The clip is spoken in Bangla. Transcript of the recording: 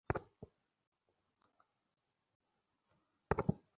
কারণ আমি তোমাদিগকে স্পষ্টই বলিতেছি, এখন পাশ্চাত্য সভ্যতার মূল ভিত্তি পর্যন্ত বিচলিত হইয়াছে।